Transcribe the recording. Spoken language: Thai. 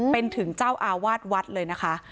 เป็นถึงเจ้าอาวาสวัดเลยนะคะ